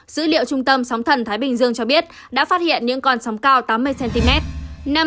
dữ liệu trung tâm sóng thần thái bình dương cho biết đã phát hiện những con sóng cao tám mươi cm